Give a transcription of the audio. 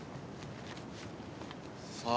さあ